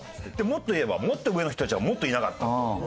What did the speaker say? もっと言えばもっと上の人たちはもっといなかったと。